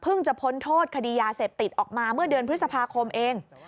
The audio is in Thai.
จะพ้นโทษคดียาเสพติดออกมาเมื่อเดือนพฤษภาคมเอง